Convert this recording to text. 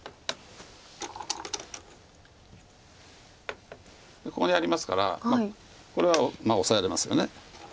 ここにありますからこれはオサえれますよね。